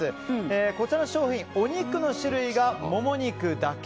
こちらの商品お肉の種類がモモ肉だけ。